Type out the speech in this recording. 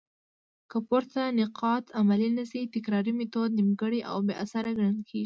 که پورته نقاط عملي نه سي؛ تکراري ميتود نيمګړي او بي اثره ګڼل کيږي.